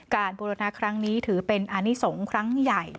บูรณาครั้งนี้ถือเป็นอานิสงฆ์ครั้งใหญ่